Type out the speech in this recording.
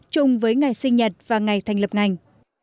chung với ngày sinh nhật và ngày thành lập ngành